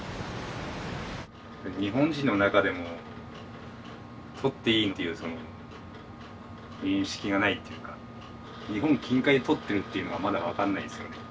日本人の中でも獲っていいという認識がないっていうか日本近海で獲ってるっていうのはまだ分かんないですよね。